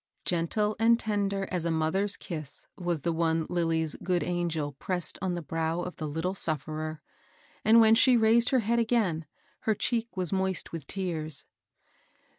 Gentle and tender as a mother's kiss was the one Lilly's " good angel " pressed on the brow of the Httle sufferer; and^ when she raised her head again, her cheek was moist with tears.